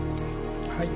はい。